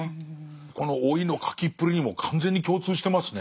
この老いの書きっぷりにも完全に共通してますね。